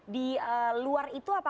di luar itu apa